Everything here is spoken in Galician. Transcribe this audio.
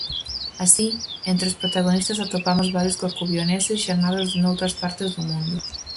Así, entre os protagonistas atopamos varios corcubioneses xa nados noutras partes do mundo.